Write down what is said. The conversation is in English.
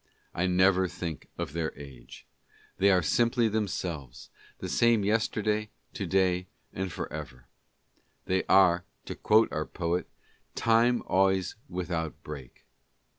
I never think of their age. They are simply themselves — the same yesterday, to day and forever. They are, to quote our poet, " Time always without break."